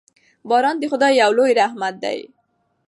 باران د خدای یو لوی رحمت دی.